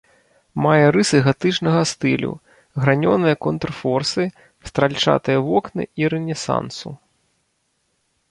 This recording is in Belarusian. Мае рысы гатычнага стылю, гранёныя контрфорсы, стральчатыя вокны, і рэнесансу.